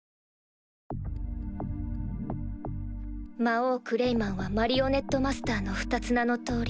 魔王クレイマンはマリオネットマスターの二つ名の通り